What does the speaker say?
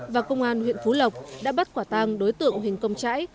và công an huyện phú lộc đã bắt quả tang đối tượng huỳnh công trãi